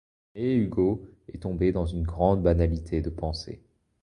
Mais Hugo est tombé dans une grande banalité de pensée.